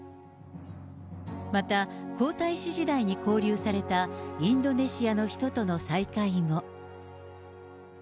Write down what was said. また、皇太子時代に交流されたインドネシアの人との再会も。